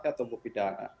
atau mau pidata